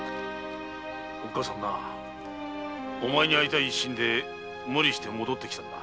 おっかさんはなお前に会いたい一心で無理して戻ってきたんだ。